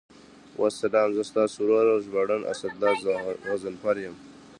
والسلام، زه ستاسو ورور او ژباړن اسدالله غضنفر یم.